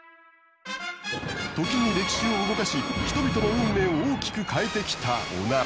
時に歴史を動かし人々の運命を大きく変えてきたオナラ。